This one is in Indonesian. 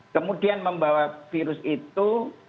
kemudian membawa virus itu